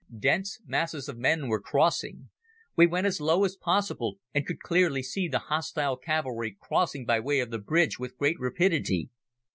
Dense masses of men were crossing. We went as low as possible and could clearly see the hostile cavalry crossing by way of the bridge with great rapidity.